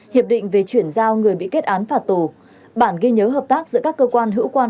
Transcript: hiệp định về chuyển giao người bị kết án phạt tù bản ghi nhớ hợp tác giữa các cơ quan hữu quan